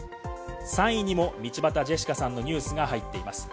３位にも道端ジェシカさんのニュースが入っています。